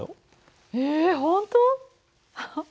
え本当？